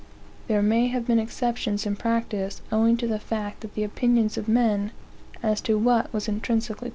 There may have been exceptions in practice, owing to the fact that the opinions of men, as to what was intrinsically.